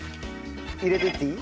入れていっていい？